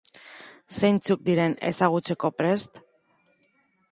Zeintzuk diren ezagutzeko prest?